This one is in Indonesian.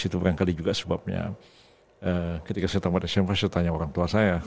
itu barangkali juga sebabnya ketika saya tamat smp saya tanya orang tua saya